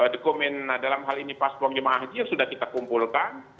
dokumen dalam hal ini paspornya mahaji yang sudah kita kumpulkan